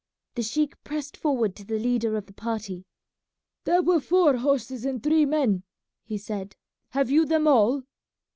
The sheik pressed forward to the leader of the party. "There were four horses and three men," he said; "have you them all?"